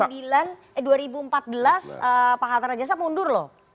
pak hatta rajasa mundur loh